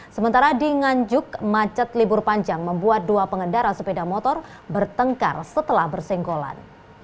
sementara di nganjuk macet libur panjang membuat dua pengendara sepeda motor bertengkar setelah bersenggolan